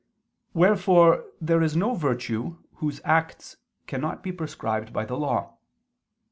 Wherefore there is no virtue whose acts cannot be prescribed by the law.